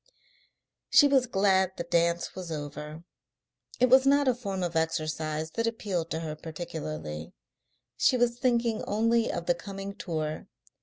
She was glad the dance was over; it was not a form of exercise that appealed to her particularly. She was thinking only of the coming tour.